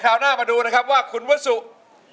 เพื่อจะไปชิงรางวัลเงินล้าน